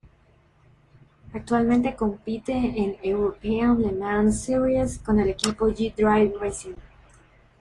Actualmente compite en European Le Mans Series con el equipo G-Drive Racing.